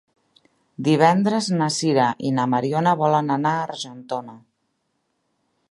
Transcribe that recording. Divendres na Sira i na Mariona volen anar a Argentona.